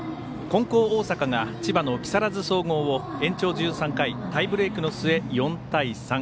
金光大阪が千葉の木更津総合を延長１３回、タイブレークの末４対３。